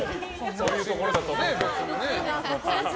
そういうところだと思うよ。